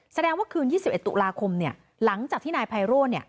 แสดงว่าคืน๒๑ตุลาคมหลังจากที่นายไพโรธ